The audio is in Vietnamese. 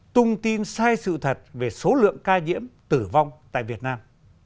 tung tin sai sự thật về số lượng ca nhiễm tử vong tại việt nam